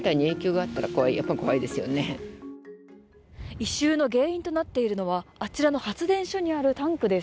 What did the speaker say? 異臭の原因となっているのはあちらの発電所にあるタンクです。